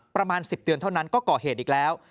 ประมาณ๑๐เดือนเท่านั้นก็ก่อเหตุอีกแล้ว